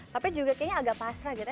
tapi juga kayaknya agak pasrah gitu